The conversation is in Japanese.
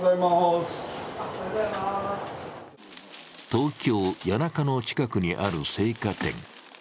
東京・谷中の近くにある生花店。